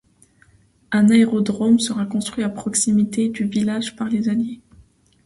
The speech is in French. Un aérodrome sera construit à proximité du village par les Alliés.